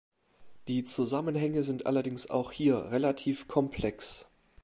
Die Zusammenhänge sind allerdings auch hier relativ komplex.